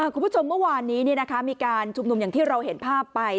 คุณผู้ชมเมื่อวานนี้มีการชุมนุมอย่างที่เราเห็นภาพไป